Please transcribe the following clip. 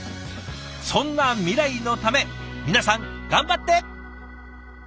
そんな未来のため皆さん頑張って！